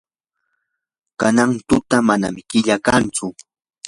kanan tuta manam killa kantsu.